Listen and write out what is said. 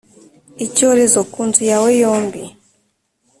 icyorezo ku nzu yawe yombi